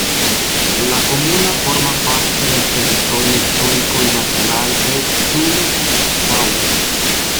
La comuna forma parte del territorio histórico y natural de Sundgau.